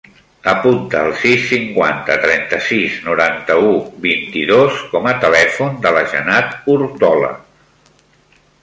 Apunta el sis, cinquanta, trenta-sis, noranta-u, vint-i-dos com a telèfon de la Janat Ortola.